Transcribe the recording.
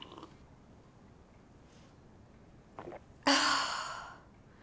ああ。